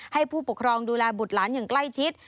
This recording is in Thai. ผู้ปกครองดูแลบุตรหลานอย่างใกล้ชิด